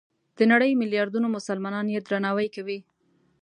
د نړۍ ملیاردونو مسلمانان یې درناوی کوي.